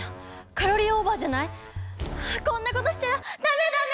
カロリーオーバーじゃない？はこんなことしちゃダメダメ。